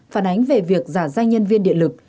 phản ánh về việc giả danh nhân viên điện lực